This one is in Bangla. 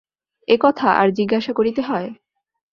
এ-কথা আর জিজ্ঞাসা করিতে হয়?